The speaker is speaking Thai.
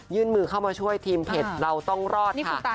มือเข้ามาช่วยทีมเพจเราต้องรอดค่ะ